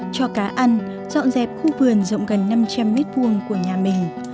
cho cá ăn dọn dẹp khu vườn rộng gần năm trăm linh m hai của nhà mình